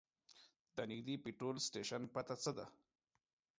د نږدې پټرول سټیشن پته څه ده؟